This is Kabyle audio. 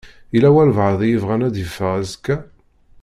Yella walebɛaḍ i yebɣan ad iffeɣ azekka?